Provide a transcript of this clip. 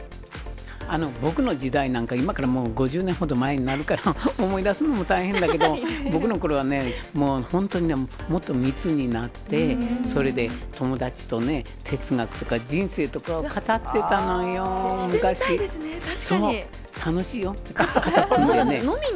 僕の時代なんか、今からもう５０年ほど前になるから思い出すのも大変だけど、僕のころはね、もう本当にね、もっと密になって、それで友達とね、哲学とか人生とかを語ってたのよ、してみたいですね、確かに。